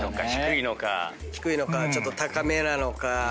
低いのかちょっと高めなのか。